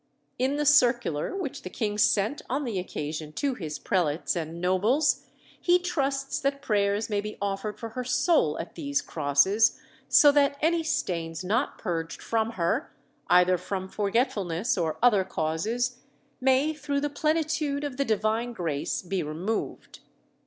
In the circular which the king sent on the occasion to his prelates and nobles, he trusts that prayers may be offered for her soul at these crosses, so that any stains not purged from her, either from forgetfulness or other causes, may through the plenitude of the Divine grace be removed.